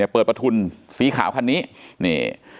เปิดประทุนสีขาวคันนี้นี่